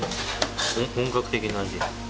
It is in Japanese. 本格的な味。